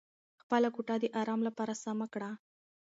خپله کوټه د ارام لپاره سمه کړه.